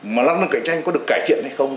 mà năng lực cạnh tranh có được cải thiện hay không